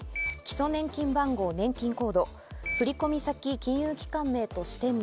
基礎年金番号・年金コード、振り込み先金融機関名と支店名。